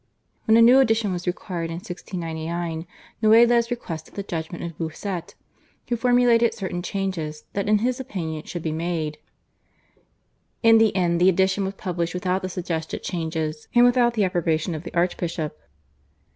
When a new edition was required in 1699, Noailles requested the judgment of Bossuet, who formulated certain changes that in his opinion should be made. In the end the edition was published without the suggested changes and without the approbation of the archbishop.